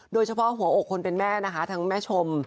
โดยเฉพาะหัวอกคนเป็นแม่นะคะทั้งแม่ชม